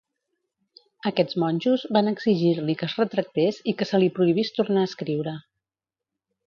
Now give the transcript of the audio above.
Aquests monjos van exigir-li que es retractés i que se li prohibís tornar a escriure.